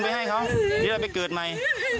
ไปให้เขาเดี๋ยวเราไปเกิดใหม่